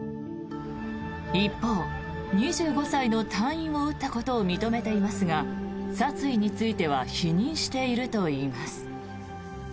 一方、２５歳の隊員を撃ったことを認めていますが殺意については否認しているといいます。